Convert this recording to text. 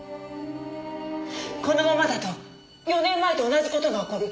このままだと４年前と同じ事が起こる。